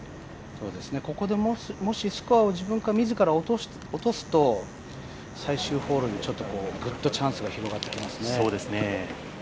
ここでもしスコアを自分で自ら落とすと最終ホールにぐっとチャンスが広がってきますね。